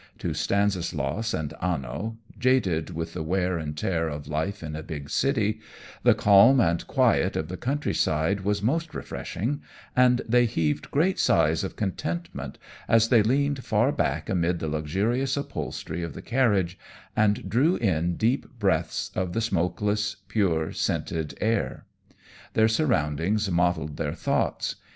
To Stanislaus and Anno, jaded with the wear and tear of life in a big city, the calm and quiet of the country side was most refreshing, and they heaved great sighs of contentment as they leaned far back amid the luxurious upholstery of the carriage, and drew in deep breaths of the smokeless, pure, scented air. Their surroundings modelled their thoughts.